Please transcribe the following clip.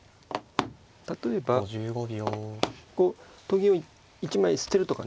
例えばこうと金を１枚捨てるとかね。